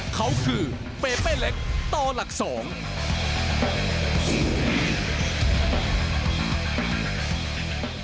เขาคือเปเปเล็กตหลัก๒